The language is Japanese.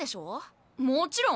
もちろん。